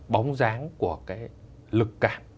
bóng dáng của cái lực cản